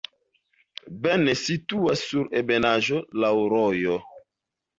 Bene situas sur ebenaĵo, laŭ rojo.